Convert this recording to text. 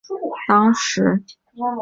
蓝图已经绘就，奋进正当时。